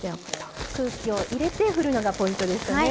空気を入れて振るのがポイントでしたね。